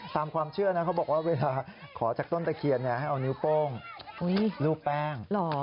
ตามความเชื่อนะเขาบอกว่าเวลาขอจากต้นตะเคียนให้เอานิ้วโป้งรูปแป้ง